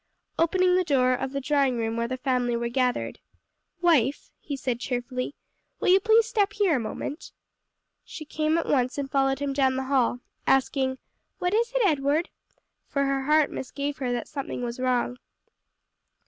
Opening the door of the drawing room where the family were gathered: "Wife," he said cheerfully, "will you please step here a moment?" She came at once and followed him down the hall, asking, "What is it, Edward?" for her heart misgave her that something was wrong.